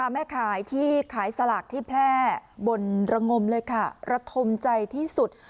แม่ขายที่ขายสลากที่แพร่บนระงมเลยค่ะระทมใจที่สุด